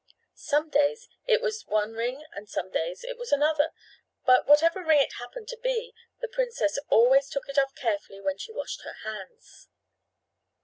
Some days it was one ring and other days it was another, but, whatever ring it happened to be, the princess always took it off carefully when she washed her hands.